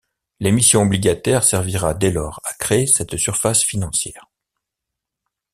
L’émission obligataire servira dès lors à créer cette surface financière.